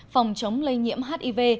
phòng chống lây nhiễm hiv